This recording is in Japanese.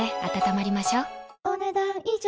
お、ねだん以上。